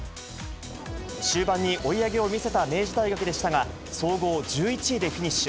終盤に追い上げを見せた明治大学でしたが、総合１１位でフィニッシュ。